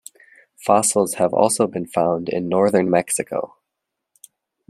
Fossils have also been found in northern Mexico.